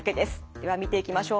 では見ていきましょう。